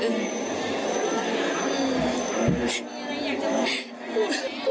ติม